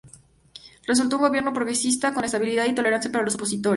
Realizó un gobierno progresista, con estabilidad y tolerancia para los opositores.